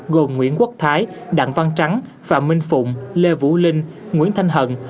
gồm nguyễn quốc thái đặng văn trắng phạm minh phụng lê vũ linh nguyễn thanh hận